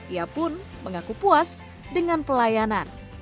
ia pun mengaku puas dengan pelayanan